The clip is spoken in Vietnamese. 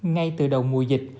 ngay từ đầu mùa dịch